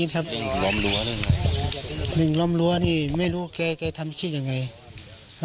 ก็นานที่ทำกับกันได้ยินไหม